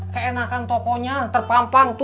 keenakan tokonya terpampang